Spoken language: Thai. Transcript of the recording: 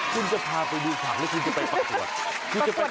คุณจะพาไปดูฉัดแล้วคุณจะไปประกวด